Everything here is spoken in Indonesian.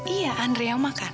iya andrei yang makan